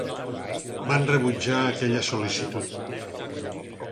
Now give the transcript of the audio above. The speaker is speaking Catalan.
Van rebutjar aquella sol·licitud.